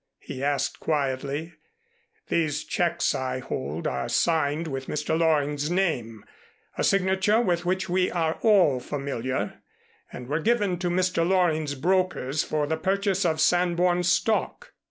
he asked quietly. "These checks I hold are signed with Mr. Loring's name, a signature with which we are all familiar, and were given to Mr. Loring's brokers for the purchase of Sanborn stock.